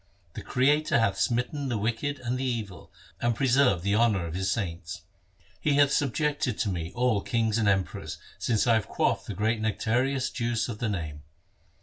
The Creator hath smitten the wicked and the evil, And preserved the honour of His saints. He hath subjected to me all kings and emperors, Since I have quaffed the great nectareous j uice of the Name.